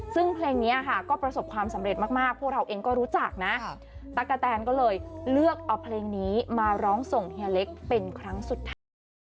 ซึ่งเพลงนี้ค่ะก็ประสบความสำเร็จมากพวกเราเองก็รู้จักนะตั๊กกะแตนก็เลยเลือกเอาเพลงนี้มาร้องส่งเฮียเล็กเป็นครั้งสุดท้าย